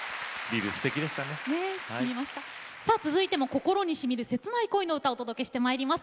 続いても心にしみる切ない恋の歌をお届けしてまいります。